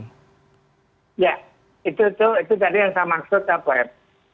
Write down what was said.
ya itu tadi yang saya maksud